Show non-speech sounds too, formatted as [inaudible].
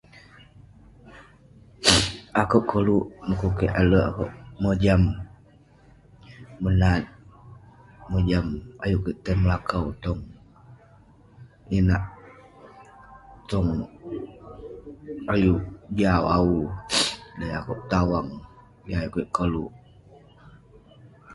[sniffs] Akouk koluk dekuk kek alek akouk mojam menat, mojam ayuk kik tai melakau tong inak, tong ayuk jau awu. [sniffs] Modai akouk petawang. Yah ayuk kek koluk.